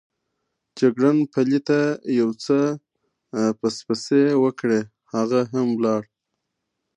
جګړن پلي ته یو څه پسپسې وکړې، هغه هم ولاړ.